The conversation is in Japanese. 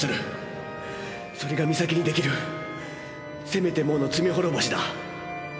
それが美咲に出来るせめてもの罪滅ぼしだ。